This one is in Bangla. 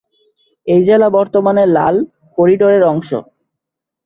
এই জেলা বর্তমানে লাল করিডোরের অংশ।